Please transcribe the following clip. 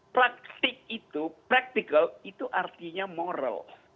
praktik itu practical itu artinya moral